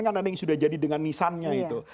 kan ada yang sudah jadi dengan nisannya itu